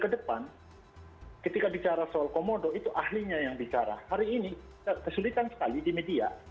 kedepan ketika bicara soal komodo itu ahlinya yang bicara hari ini kesulitan sekali di media